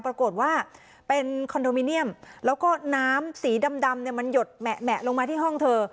ปรากฏว่าเป็นคอนโดมิเนียมแล้วก็น้ำสีดำมันหยดแหมะลงมาที่ห้องเธอ